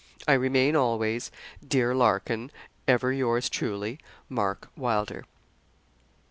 'I remain always, 'Dear Larkin, 'Ever yours truly, 'MARK WYLDER.'